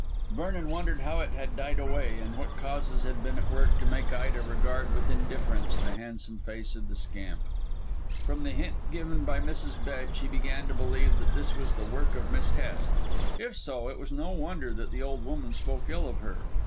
Vernon wondered how it had died away, and what causes had been at work to make Ida regard with indifference the handsome face of the scamp. From the hint given by Mrs. Bedge, he began to believe that this was the work of Miss Hest. If so, it was no wonder that the old woman spoke ill of her.